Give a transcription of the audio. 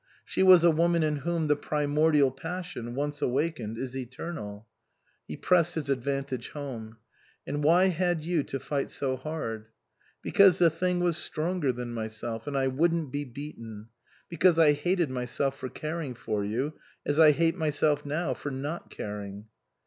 She was a woman in whom the primordial passion, once awakened, is eternal. He pressed his advantage home. " And why had you to fight so hard ?"" Because the thing was stronger than myself, and I wouldn't be beaten. Because I hated my self for caring for you, as I hate myself now for not caring."